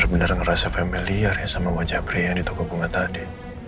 gue bener bener ngerasa familiar ya sama mbak jabri yang di toko bunga tadi